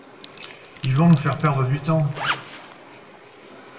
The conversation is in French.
Ils vont nous faire perdre du temps.